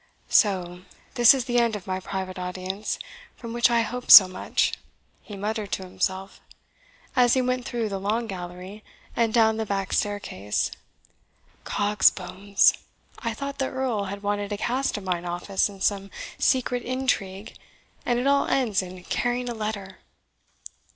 "So, this is the end of my private audience, from which I hoped so much!" he muttered to himself, as he went through the long gallery, and down the back staircase. "Cogs bones! I thought the Earl had wanted a cast of mine office in some secret intrigue, and it all ends in carrying a letter!